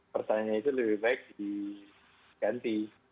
pertanyaan itu lebih baik di ganti